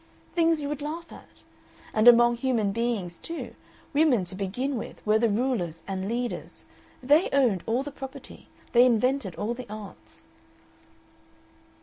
Things you would laugh at. And among human beings, too, women to begin with were the rulers and leaders; they owned all the property, they invented all the arts.